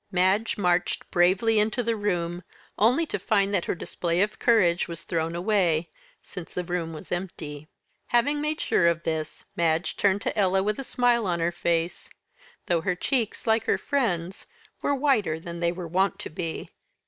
Madge marched bravely into the room only to find that her display of courage was thrown away, since the room was empty. Having made sure of this, Madge turned to Ella with a smile on her face though her cheeks, like her friend's, were whiter than they were wont to be.